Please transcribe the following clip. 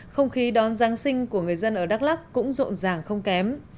không khí đón giáng sinh của người dân ở đắk lắc cũng rộn ràng không kém